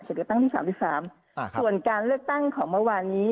เขตเลือกตั้งที่สามสิบสามอ่าส่วนการเลือกตั้งของเมื่อวานนี้